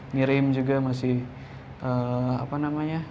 ngirim juga masih apa namanya